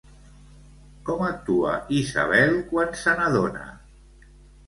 Com actua Isabel quan se n'adona?